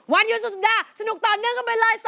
วันหยุดสุดสัปดาห์สนุกต่อเนื่องกันไปเลย